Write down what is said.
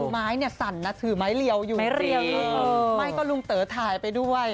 ไม้สั่นนะถือไม้เรียวอยู่ไม้ก็ลุงเต๋อถ่ายไปด้วย